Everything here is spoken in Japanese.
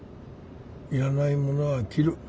要らないものは切る。